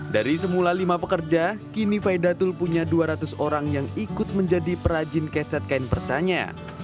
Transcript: dari semula lima pekerja kini faidatul punya dua ratus orang yang ikut menjadi perajin keset kain percanya